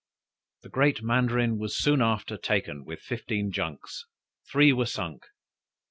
The Great Mandarin was soon after taken with fifteen junks; three were sunk.